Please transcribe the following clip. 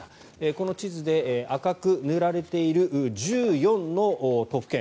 この地図で赤く塗られている１４の都府県。